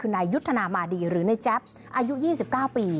คือนายยุทธนามาดีหรือในแจ๊บอายุ๒๙ปี